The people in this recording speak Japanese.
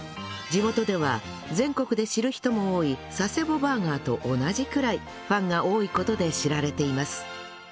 地元では全国で知る人も多い佐世保バーガーと同じくらいファンが多い事で知られています